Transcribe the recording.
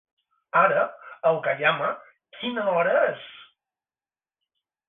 Ara a Okayama quina hora és?